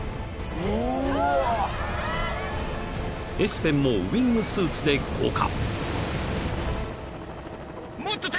［エスペンもウイングスーツで降下］